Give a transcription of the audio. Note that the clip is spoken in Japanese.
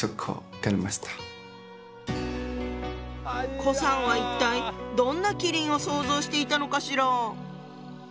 顧さんは一体どんな麒麟を想像していたのかしら？